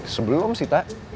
sebelum sih tak